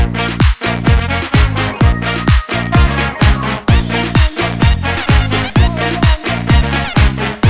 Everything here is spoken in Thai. โปรดติดตามตอนต่อไป